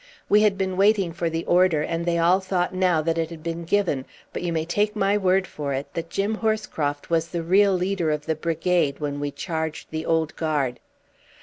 We had been waiting for the order, and they all thought now that it had been given; but you may take my word for it, that Jim Horscroft was the real leader of the brigade when we charged the Old Guard.